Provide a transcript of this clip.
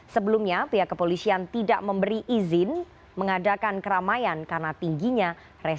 sebelumnya pihak kepolisian tidak memberi izin mengadakan keramaian karena tingginya